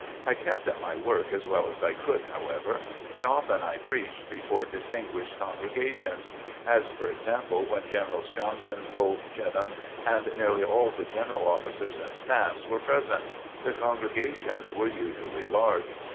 I kept at my work as well as I could, however, and often I preached before distinguished congregations; as, for example, when Generals Johnston, Polk, Cheatham and nearly all the general officers and staffs were present. The congregations were usually large.